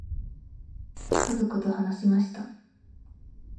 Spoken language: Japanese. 家族と話しました。